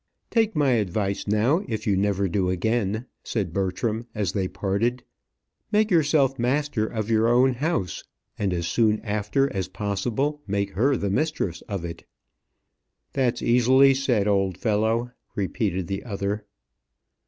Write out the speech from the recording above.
"Take my advice now, if you never do again," said Bertram, as they parted; "make yourself master of your own house, and as soon after as possible make her the mistress of it." "That's easily said, old fellow," repeated the other.